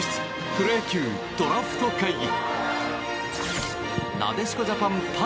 プロ野球ドラフト会議！